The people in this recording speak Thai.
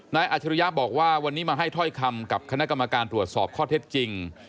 อาจริยะบอกว่าวันนี้มาให้ถ้อยคำกับคณะกรรมการตรวจสอบข้อเท็จจริง